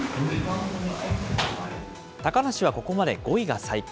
高梨はここまで５位が最高。